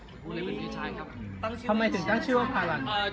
ทำไมถึงกลักชื่อว่าพารัน